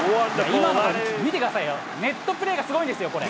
今の見てくださいよ、ネットプレーがすごいんですよ、これ。